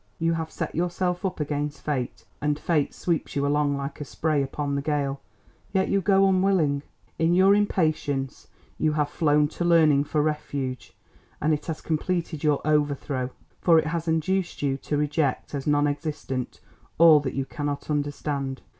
You have set yourself up against Fate, and Fate sweeps you along like spray upon the gale, yet you go unwilling. In your impatience you have flown to learning for refuge, and it has completed your overthrow, for it has induced you to reject as non existent all that you cannot understand.